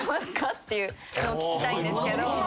っていうのを聞きたいんですけど。